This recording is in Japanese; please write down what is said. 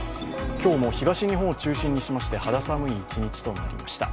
今日も東日本を中心にしまして肌寒い一日となりました。